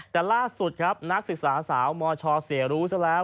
แต่ล่าสุดครับนักศึกษาสาวมชเสียรู้ซะแล้ว